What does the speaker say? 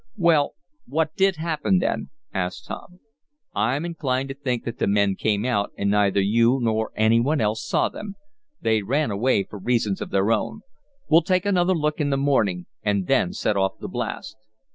"Well, what did happen then?" asked Tom. "I'm inclined to think that the men came out and neither you, nor any one else, saw them. They ran away for reasons of their own. We'll take another look in the morning, and then set off the blast."